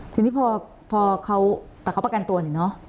ทีนี้พอเขาแต่เขาประกันตัวเนี่ยเนอะ